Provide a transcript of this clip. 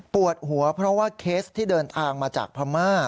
ปวดหัวเพราะว่าเคสที่เดินทางมาจากพม่า